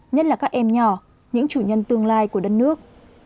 nhất là các em nhỏ những chủ nhân tương lai của đất nước